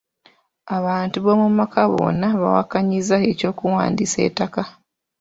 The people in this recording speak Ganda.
Abantu b'omu maka bonna baawakanyizza eky'okuwandiisa ettaka.